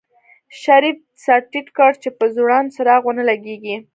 شريف سر ټيټ کړ چې په ځوړند څراغ ونه لګېږي.